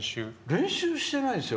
練習してないですよ